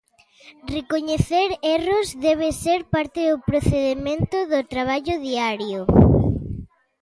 Recoñecer erros debe ser parte do procedemento do traballo diario.